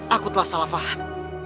aku telah salah faham